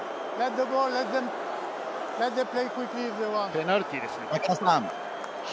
ペナルティーですね。